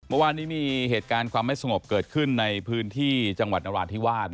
เมื่อวานนี้มีเหตุการณ์ความไม่สงบเกิดขึ้นในพื้นที่จังหวัดนราธิวาส